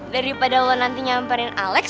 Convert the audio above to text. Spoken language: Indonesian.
daripada lo nanti nyamperin alex